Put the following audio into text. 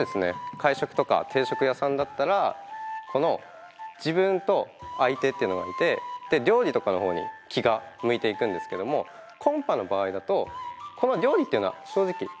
会食とか定食屋さんだったらこの自分と相手っていうのがいて料理とかの方に気が向いていくんですけどもコンパの場合だとこの料理っていうのは正直あんまり注意が向かない。